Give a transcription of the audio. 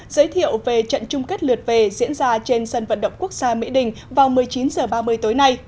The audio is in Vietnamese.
giới thiệu về trận chung kết lượt về diễn ra trên sân vận động quốc gia mỹ đình vào một mươi chín h ba mươi tối nay